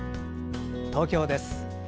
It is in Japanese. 東京です。